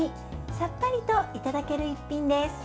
さっぱりといただける一品です。